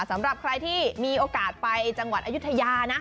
สำหรับใครที่มีโอกาสไปจังหวัดอายุทยานะ